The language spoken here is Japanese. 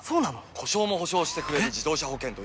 故障も補償してくれる自動車保険といえば？